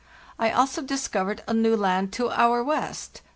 I also discovered a new land to our west (S.